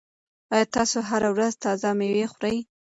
آیا تاسو هره ورځ تازه مېوه خورئ؟